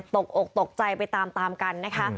ตกอกตกใจไปตามตามกันนะคะ